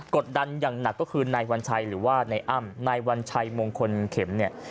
ดดันอย่างหนักก็คือนายวัญชัยหรือว่านายอ้ำนายวัญชัยมงคลเข็มเนี่ย